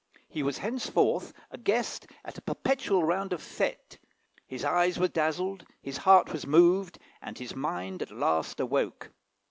He was henceforth a guest at a perpetual round of fêtes; his eyes were dazzled, his heart was moved, and his mind at last awoke.